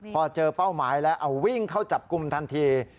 พอเจอเป้าหมายแล้วเอาวิ่งเข้าจับกลุ่มทันที